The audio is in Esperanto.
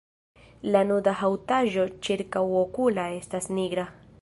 La nuda haŭtaĵo ĉirkaŭokula estas nigra.